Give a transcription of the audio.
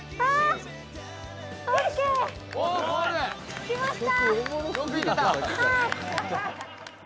着きました！